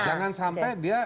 jangan sampai dia